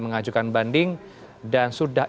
mengajukan banding dan sudah